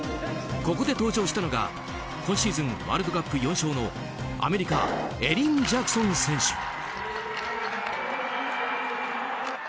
ここで登場したのが今シーズンワールドカップ４勝のアメリカエリン・ジャクソン選手。